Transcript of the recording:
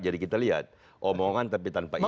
jadi kita lihat omongan tapi tanpa isi